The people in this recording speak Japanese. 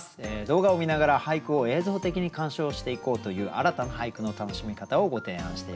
動画を観ながら俳句を映像的に鑑賞していこうという新たな俳句の楽しみ方をご提案していきたいと思います。